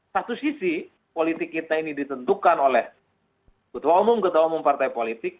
satu sisi politik kita ini ditentukan oleh ketua umum ketua umum partai politik